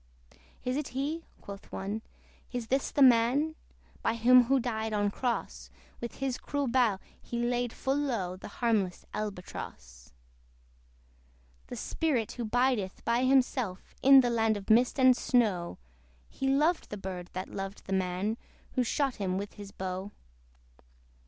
"Is it he?" quoth one, "Is this the man? By him who died on cross, With his cruel bow he laid full low, The harmless Albatross. "The spirit who bideth by himself In the land of mist and snow, He loved the bird that loved the man Who shot him with his bow."